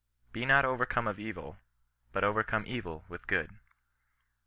Be not overcome of evil, but overcome evil with good."